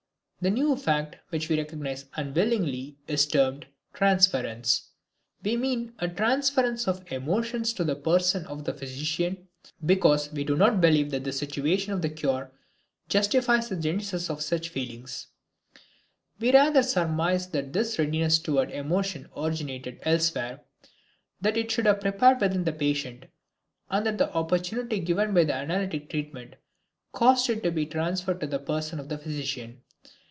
The new fact which we recognize unwillingly is termed transference. We mean a transference of emotions to the person of the physician, because we do not believe that the situation of the cure justifies the genesis of such feelings. We rather surmise that this readiness toward emotion originated elsewhere, that it was prepared within the patient, and that the opportunity given by analytic treatment caused it to be transferred to the person of the physician.